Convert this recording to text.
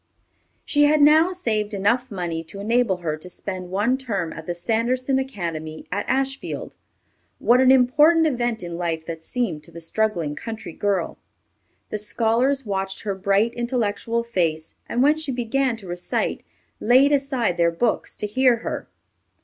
She had now saved enough money to enable her to spend one term at the Sanderson Academy at Ashfield. What an important event in life that seemed to the struggling country girl! The scholars watched her bright, intellectual face, and when she began to recite, laid aside their books to hear her.